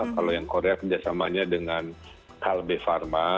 kalau yang korea kerjasamanya dengan kalbe pharma